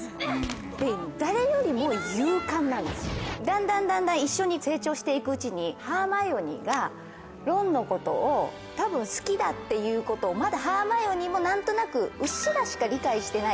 だんだんだんだん一緒に成長して行くうちにハーマイオニーがロンのことを多分好きだっていうことをまだハーマイオニーも何となくうっすらしか理解してない。